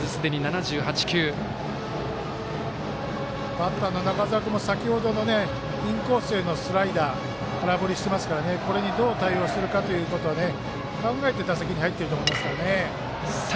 バッターの中澤君も先ほどのインコースのスライダー空振りしてますから、これにどう対応するかということを考えて、打席に入っていると思いますからね。